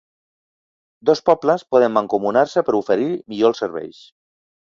Dos pobles poden mancomunar-se per a oferir millor els serveis.